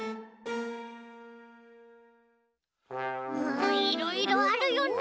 うわいろいろあるよね